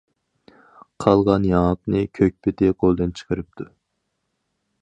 قالغان ياڭاقنى كۆك پېتى قولدىن چىقىرىپتۇ.